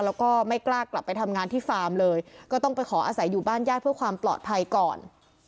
แล้วก็ไม่กล้ากลับไปทำงานที่ฟาร์มเลยก็ต้องไปขออาศัยอยู่บ้านญาติเพื่อความปลอดภัยก่อน